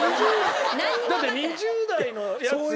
だって２０代のヤツが。